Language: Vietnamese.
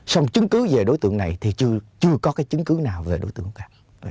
xong chứng cứ về đối tượng này thì chưa có cái chứng cứ nào về đối tượng cả